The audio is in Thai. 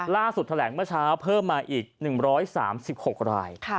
แถลงเมื่อเช้าเพิ่มมาอีก๑๓๖ราย